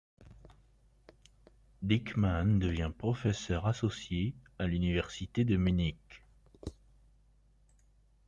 Dieckmann devient professeur associé à l'université de Munich.